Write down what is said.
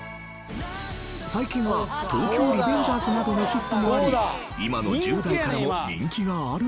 最近は『東京リベンジャーズ』などのヒットもあり今の１０代からも人気があるのでは？